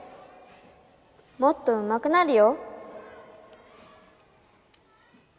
もっとうまくなるよ！